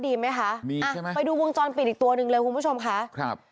ดีไหมคะมีอ่ะไปดูวงจรปิดอีกตัวหนึ่งเลยคุณผู้ชมค่ะครับ